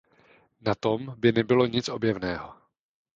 Na tom by nebylo nic objevného.